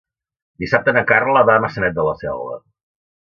Dissabte na Carla va a Maçanet de la Selva.